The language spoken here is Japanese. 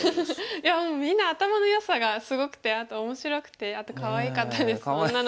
いやもうみんな頭のよさがすごくてあと面白くてあとかわいかったです女の子。